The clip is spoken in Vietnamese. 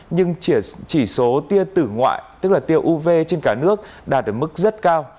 nhưng chỉ số tiêu tử ngoại tức là tiêu uv trên cả nước đạt được mức rất cao